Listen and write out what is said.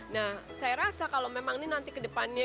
nah saya rasa kalau memang ini nanti kedepannya